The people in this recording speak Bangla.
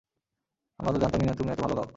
আমরা তো জানতামই না তুমি এত ভালো গাও!